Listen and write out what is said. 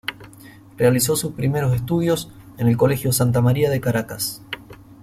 Realizó sus primeros estudios en el Colegio "Santa María de Caracas".